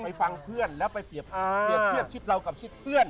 ฟังเพื่อนแล้วไปเปรียบเทียบชิดเรากับชิดเพื่อน